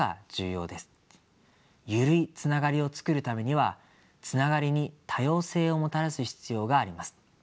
緩いつながりを作るためにはつながりに多様性をもたらす必要があります。